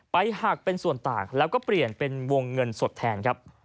หักเป็นส่วนต่างแล้วก็เปลี่ยนเป็นวงเงินสดแทนครับ